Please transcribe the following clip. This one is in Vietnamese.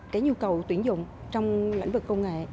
cái nhu cầu tuyển dụng trong lĩnh vực công nghệ